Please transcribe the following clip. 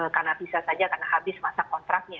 karena bisa saja karena habis masa kontraknya